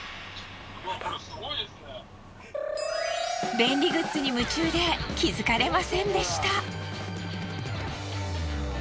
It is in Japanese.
便利グッズに夢中で気づかれませんでした。